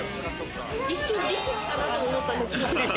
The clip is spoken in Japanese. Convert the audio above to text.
一瞬、力士かなとも思ったんですけど。